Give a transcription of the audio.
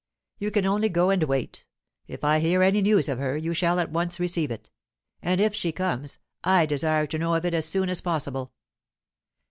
You can only go and wait. If I hear any news of her, you shall at once receive it. And if she comes, I desire to know of it as soon as possible."